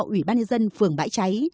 ủy ban nhân dân phường bãi cháy